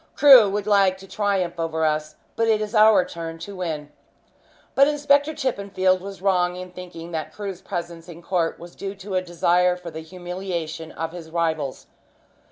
Crewe would like to triumph over us, but it is our turn to win." But Inspector Chippenfield was wrong in thinking that Crewe's presence in court was due to a desire for the humiliation of his rivals.